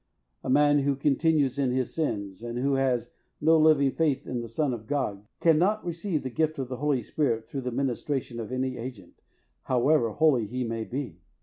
A man who continues in his sins, and who has no living faith in the Son of God, cannot receive the gift of the Holy Spirit through the ministration of any agent, however holy he may be.